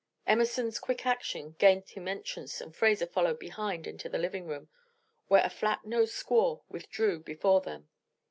Emerson's quick action gained him entrance and Fraser followed behind into the living room, where a flat nosed squaw withdrew before them.